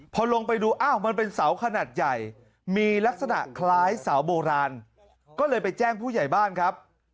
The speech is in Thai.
พอลงไปดูอ้าวมันเป็นเสาขนาดใหญ่มีลักษณะคล้ายเสาโบราณก็เลยไปแจ้งผู้ใหญ่บ้านครับ